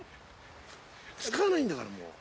わないんだからもう。